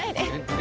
え？